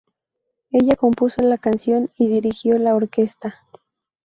Ella compuso la canción y dirigió la orquesta.